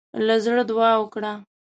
له زړۀ دعا وکړه.